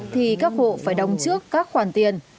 thì các hộ phải đóng trước các khoản tiền